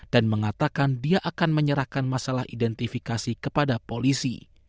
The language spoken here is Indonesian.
mengatakan dia akan menyerahkan masalah identifikasi kepada polisi